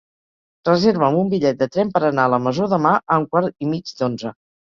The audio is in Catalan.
Reserva'm un bitllet de tren per anar a la Masó demà a un quart i mig d'onze.